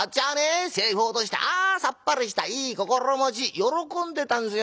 財布落として『あさっぱりしたいい心持ち』喜んでたんすよ。